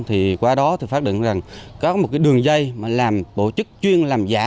thì qua đó thì phát định rằng có một đường dây làm bộ chức chuyên làm giả